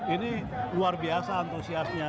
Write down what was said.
ini luar biasa antusiasnya